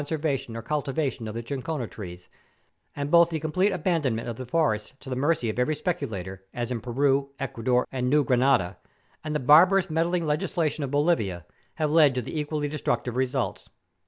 servancy or cultivation of the chinchona trees, and both the complete abandonment of the forests to the mercy of every speculator, as in Peru, Ecuador, and New Grranada, and the barbarous meddling legisla¬ tion of Bolivia have led to the equally destructive results.